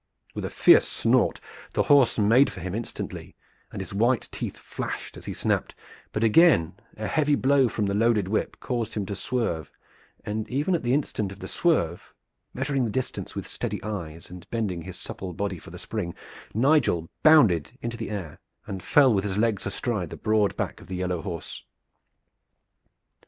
With a fierce snort, the horse made for him instantly, and his white teeth flashed as he snapped; but again a heavy blow from the loaded whip caused him to swerve, and even at the instant of the swerve, measuring the distance with steady eyes, and bending his supple body for the spring, Nigel bounded into the air and fell with his legs astride the broad back of the yellow horse.